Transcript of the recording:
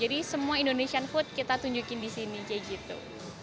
jadi semua indonesian food kita tunjukin di sini kayak gitu